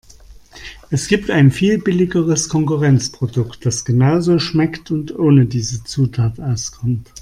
Es gibt ein viel billigeres Konkurrenzprodukt, das genauso schmeckt und ohne diese Zutat auskommt.